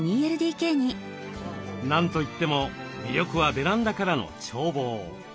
何と言っても魅力はベランダからの眺望。